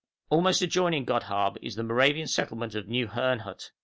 Almost adjoining Godhaab is the Moravian settlement of New Herrnhut.